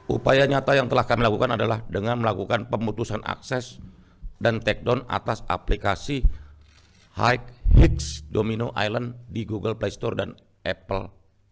upaya nyata yang telah kami lakukan adalah dengan melakukan pemutusan akses dan take down atas aplikasi high fix domino island di google play store dan apple